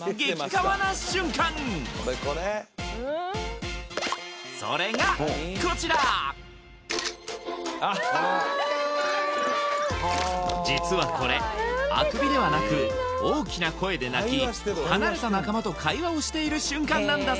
カワな瞬間それがこちら実はこれあくびではなく大きな声で鳴き離れた仲間と会話をしている瞬間なんだ